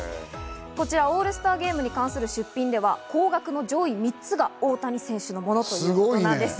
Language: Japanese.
こちらオールスターゲームに関する出品では高額の上位３つが大谷選手のものということなんです。